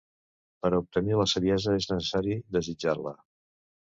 Per a obtenir la saviesa és necessari desitjar-la.